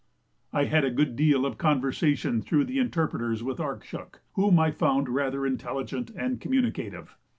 I had a good deal of conversation through the interpreters with Arkshuk, whom I found rather intelligent and communicative.